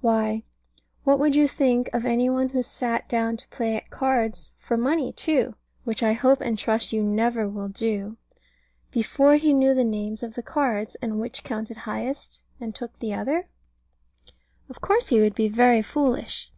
Why, what would you think of any one who sat down to play at cards for money too (which I hope and trust you never will do) before he knew the names of the cards, and which counted highest, and took the other? Of course he would be very foolish.